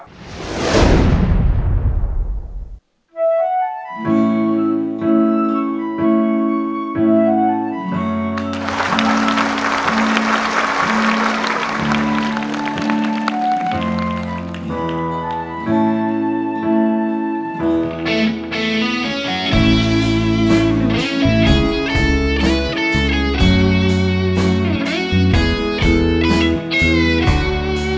เพลง